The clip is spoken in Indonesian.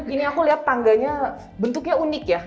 ini aku lihat tangganya bentuknya unik ya